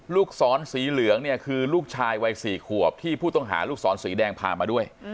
ลูกศรสีเหลืองเนี่ยคือลูกชายวัย๔ขวบที่ผู้ต้องหาลูกศรสีแดงพามาด้วย